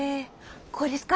こうですか？